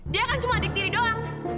dia kan cuma adik tiri doang